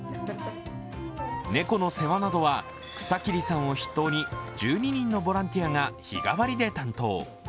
猫の世話などは草切さんを筆頭に１２人のボランティアが日替わりで担当。